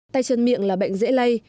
tay chân miệng là bệnh dễ lây